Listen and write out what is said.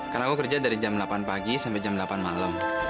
karena aku kerja dari jam delapan pagi sampai jam delapan malam